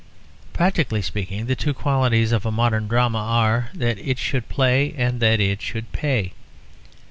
Practically speaking the two qualities of a modern drama are, that it should play and that it should pay.